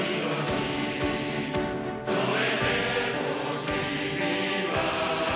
「それでも君は」